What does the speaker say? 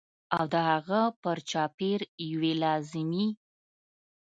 او د هغه پر چاپېر یوې لازمي